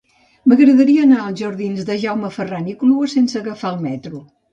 M'agradaria anar als jardins de Jaume Ferran i Clua sense agafar el metro.